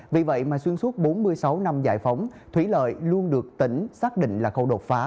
vì vậy mà xuyên suốt bốn mươi sáu năm giải phóng thủy lợi luôn được tỉnh xác định là khâu đột phá